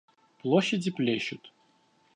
Площади плещут.